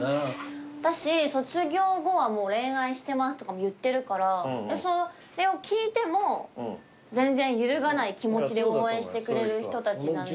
だし卒業後はもう恋愛してますとかも言ってるからそれを聞いても全然揺るがない気持ちで応援してくれる人たちなんで。